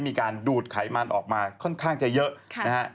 มีการดูดไขมันออกมาค่อนข้างจะเยอะนะฮะ